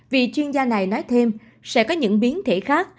vì chuyên gia này nói thêm sẽ có những biến thể khác